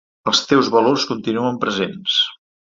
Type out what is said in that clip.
Els teus valors continuen presents!